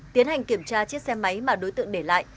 tiến hành kiểm tra chiếc xe máy mà đối tượng để lại